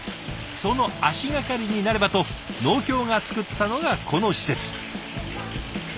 その足掛かりになればと農協が作ったのがこの施設。